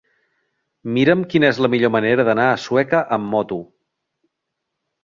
Mira'm quina és la millor manera d'anar a Sueca amb moto.